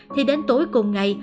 thì đến tối cùng ngày